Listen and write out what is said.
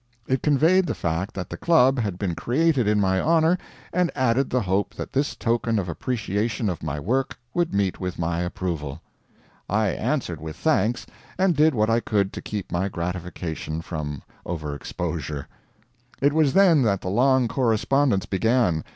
It conveyed the fact that the Club had been created in my honor, and added the hope that this token of appreciation of my work would meet with my approval. I answered, with thanks; and did what I could to keep my gratification from over exposure. It was then that the long correspondence began.